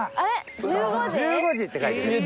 「１５時」って書いてる。